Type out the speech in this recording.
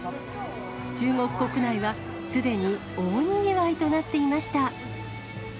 中国国内は、すでに大にぎわいとなっていました。